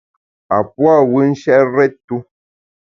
A pua’ wù nshèt rèt-tu.